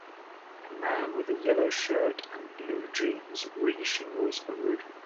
A man with a yellow shirt and blue jeans re shingles a roof.